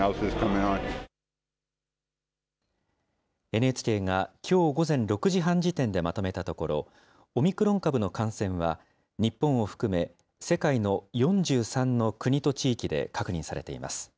ＮＨＫがきょう午前６時半時点でまとめたところ、オミクロン株の感染は、日本を含め世界の４３の国と地域で確認されています。